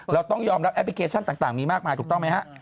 เราต้องยอมรับแอปพลิเคชันต่างมีมากมายถูกต้องไหมฮะ